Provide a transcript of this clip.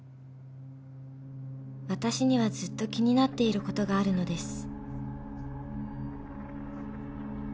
［私にはずっと気になっていることがあるのです］